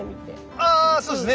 あそうですね。